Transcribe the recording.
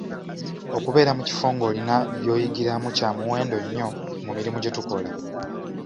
Okubeera mu kifo ng'olina by'oyigiramu kya muwendo nnyo mu mirimu gye tukola.